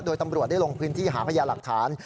โดยตำรวจได้ลงพื้นที่หาพยาหลักฐาน